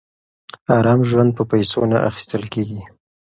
ارام ژوند په پیسو نه اخیستل کېږي.